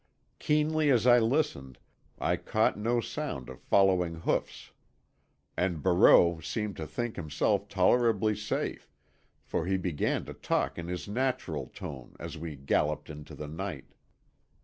Keenly as I listened, I caught no sound of following hoofs. And Barreau seemed to think himself tolerably safe, for he began to talk in his natural tone as we galloped into the night.